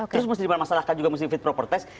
terus mesti dibuat masalahkan juga mesti fit proper test